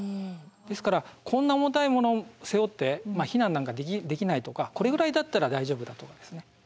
ですからこんな重たいものを背負って避難なんかできないとかこれぐらいだったら大丈夫だとかですね。